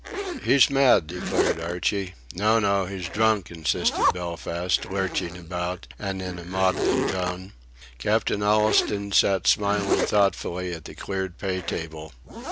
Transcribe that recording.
"He's mad," declared Archie. "No! No! He's drunk," insisted Belfast, lurching about, and in a maudlin tone. Captain Allistoun sat smiling thoughtfully at the cleared pay table.